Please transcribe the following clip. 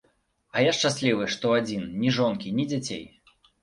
А я шчаслівы, што адзін, ні жонкі, ні дзяцей.